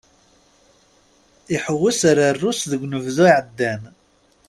Iḥewwes ar Rrus deg unebdu iɛeddan.